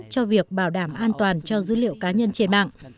cho việc bảo đảm an toàn cho dữ liệu cá nhân trên mạng